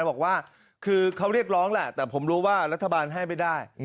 บอกว่าคือเขาเรียกร้องแหละแต่ผมรู้ว่ารัฐบาลให้ไม่ได้